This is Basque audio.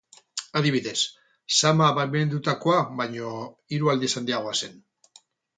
Adibidez, zama baimendutakoa baino hiru aldiz handiagoa zen.